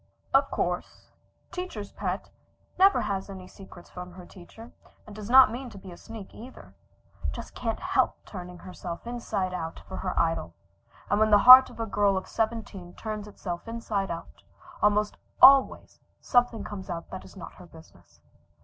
Of course "teacher's pet" never has any secrets from the teacher, and does not mean to be a sneak either. Just can't help turning herself inside out for her idol, and when the heart of a girl of seventeen turns itself inside out, almost always something comes out that is not her business.